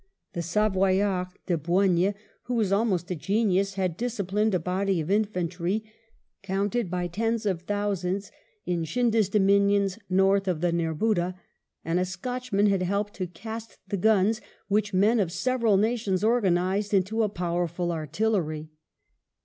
The Savoyard, De Boigne, who was almost a genius, had disciplined a body of infantry, counted by tens of thousands, in Scindia's dominions north of the Nerbudda; and a Scotchman had helped to cast the guns, which men of several nations organised into a powerful artillery.